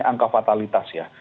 adalah fatalitas ya